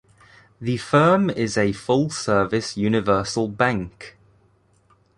The firm is a full-service universal bank.